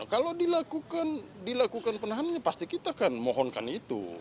kalau dilakukan penahanan pasti kita akan mohonkan itu